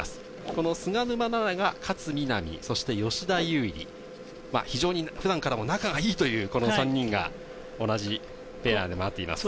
この菅沼菜々が勝みなみ、そして吉田優利、非常に普段からも仲がいいという３人が同じペアで回っています。